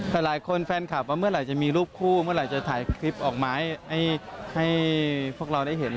แต่หลายคนแฟนคลับว่าเมื่อไหร่จะมีรูปคู่เมื่อไหร่จะถ่ายคลิปออกมาให้พวกเราได้เห็น